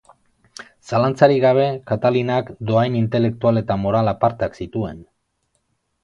Zalantzarik gabe, Katalinak dohain intelektual eta moral apartak zituen.